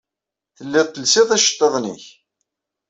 Telliḍ telsiḍ iceḍḍiḍen-nnek.